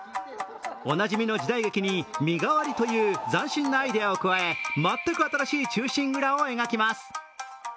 おなじみの時代劇に身代わりという斬新なアイデアを加え、全く新しい「忠臣蔵」を描きます。